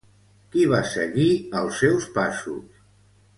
Qui va seguir els seus passos?